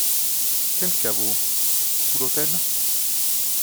Quel caveau ? Sous l'autel.